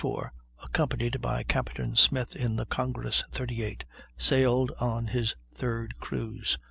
44, accompanied by Captain Smith in the Congress, 38, sailed on his third cruise.